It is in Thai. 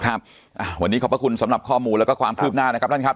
ครับวันนี้ขอบพระคุณสำหรับข้อมูลแล้วก็ความคืบหน้านะครับท่านครับ